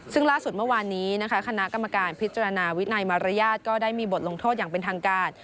ซึ่งล่าสุดเมื่อวานนี้นะคะคณะกรรมการพิจารณาวินัยมารยาทก็ได้มีบทลงโทษอย่างเป็นทางการ